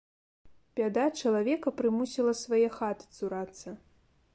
Бяда чалавека прымусіла свае хаты цурацца.